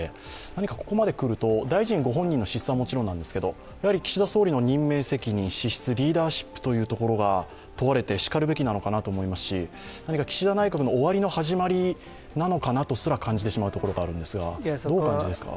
何かここまで来ると大臣ご本人の資質はもちろんですけど、岸田総理の任命責任、資質、リーダーシップというところが問われてしかるべきなのかなと思いますし何か岸田内閣の終わりの始まりなのかなとすら感じてしまうところがあるのですが、どうご覧になっていますか。